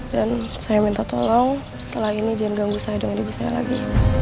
dan saya minta tolong setelah ini jangan ganggu saya dengan ibu saya lagi